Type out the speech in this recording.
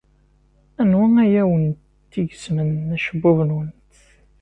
Anwa ay awent-igezmen acebbub-nwent?